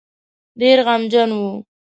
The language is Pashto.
ډېر غمجن وو.